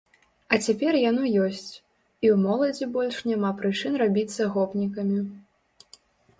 А цяпер яно ёсць, і ў моладзі больш няма прычын рабіцца гопнікамі.